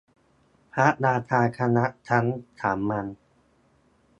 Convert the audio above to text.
พระราชาคณะชั้นสามัญ